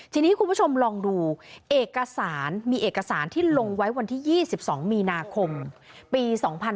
ทีนี้คุณผู้ชมลองดูเอกสารมีเอกสารที่ลงไว้วันที่๒๒มีนาคมปี๒๕๕๙